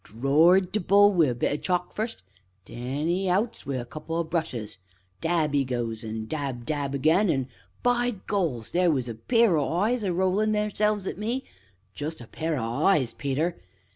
Drored t' bull in wi' a bit o' chalk, first; then 'e outs wi' a couple o' brushes; dab 'e goes, an' dab, dab again, an' by Goles! theer was a pair o' eyes a rollin' theirselves at me just a pair o' eyes, Peter.